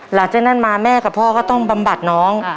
หลังจากนั้นมาแม่กับพ่อก็ต้องบำบัดน้อง